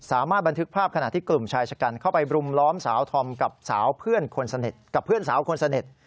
สามารถบันทึกภาพขณะที่กลุ่มชายชะกันเข้าไปบลุ้มล้อมสาวธอมกับเพื่อนสาวคนเสน็จ